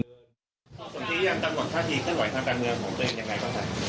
สนธิยังต้องก่อนท่าทีเคลื่อนไหวทางการเมืองของตัวเองอย่างไรบ้างคะ